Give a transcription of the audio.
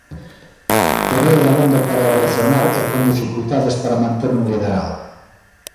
Terreo dabondo para reaccionar e con dificultades para manter un liderado.